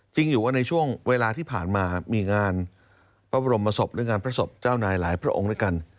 จริงอยู่ว่าในช่วงเวลาที่ผ่านมามีงานพระบรมศพหรืองานพระศพเจ้านายหลายพระองค์ด้วยกัน